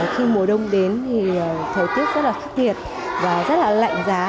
khi mùa đông đến thì thời tiết rất là khắc nghiệt và rất là lạnh giá